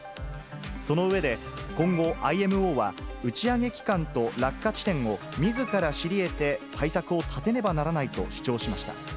その上で、今後、ＩＭＯは打ち上げ期間と落下地点をみずから知りえて対策を立てねばならないと主張しました。